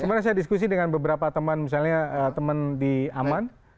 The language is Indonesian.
kemarin saya diskusi dengan beberapa teman misalnya teman di aman